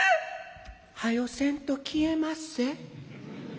「はよせんと消えまっせ。